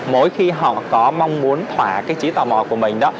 mỗi khi họ có mong muốn thỏa cái trí tò mò của mình đó